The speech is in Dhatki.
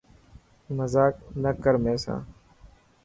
مزاڪ نه ڪر مين سان.